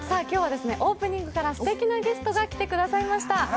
今日はオープニングからすてきなゲストが来てくださいました。